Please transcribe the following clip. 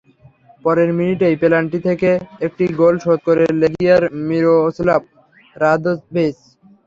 পরের মিনিটেই পেনাল্টি থেকে একটি গোল শোধ করেন লেগিয়ার মিরোস্লাভ রাদোভিচ।